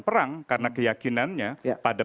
perang karena keyakinannya pada